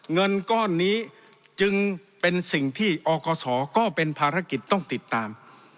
เงินก้อนนี้จึงเป็นสิ่งที่อกศก็เป็นภารกิจต้องติดตาม